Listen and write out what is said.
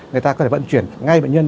người ta có thể vận chuyển ngay bệnh nhân